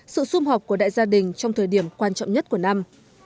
sự xung họp của đại gia đình trong thời điểm quan trọng nhất của năm